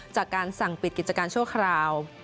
จากการสั่งปิดกิจการชั่วคราว